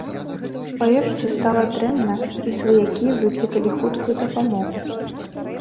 Паэтцы стала дрэнна, і сваякі выклікалі хуткую дапамогу.